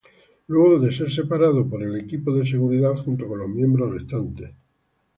Luego de ser separados por el equipo de seguridad junto con los miembros restantes.